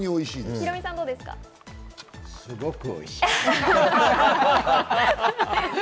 すごくおいしい。